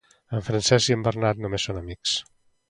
En Francesc i en Bernat només són amics.